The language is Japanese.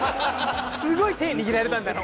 すごい手ぇ握られた。